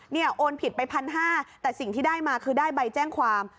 โอนผิดไป๑๕๐๐แต่สิ่งที่ได้มาคือได้ใบแจ้งความ